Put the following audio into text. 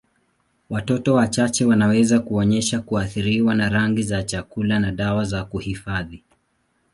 Watoto wachache wanaweza kuonyesha kuathiriwa na rangi za chakula na dawa za kuhifadhi.